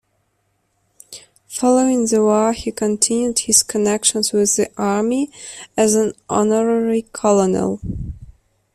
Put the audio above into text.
Following the War, he continued his connections with the Army, as an honorary colonel.